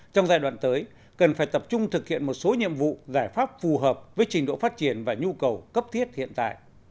trong giai đoạn tới cần phải tập trung thực hiện một số nhiệm vụ giải pháp phù hợp với trình độ phát triển và nhu cầu cấp thiết hiện tại